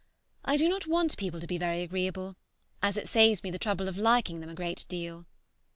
I do not want people to be very agreeable, as it saves me the trouble of liking them a great deal.